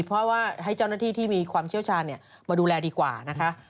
เพราะว่าให้เจ้าหน้าที่ที่มีความเชี่ยวชาญมาดูแลดีกว่านะคะ